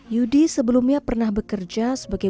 yudi sebelumnya pernah bekerja sebagai